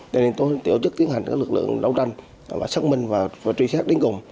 tại nên tôi tiểu chức tiến hành các lực lượng đấu tranh và xác minh và truy xét đến cùng